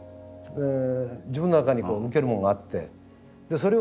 自分の中にこう向けるもんがあってそれをね